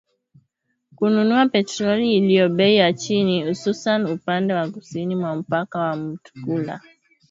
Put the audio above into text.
kununua petroli iliyo bei ya chini , hususan upande wa kusini mwa mpaka wa Mutukula